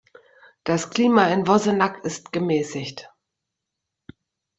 Das Klima in Vossenack ist gemäßigt.